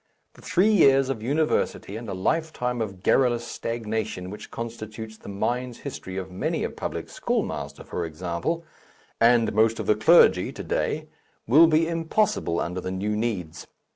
The three years of university and a lifetime of garrulous stagnation which constitutes the mind's history of many a public schoolmaster, for example, and most of the clergy to day, will be impossible under the new needs.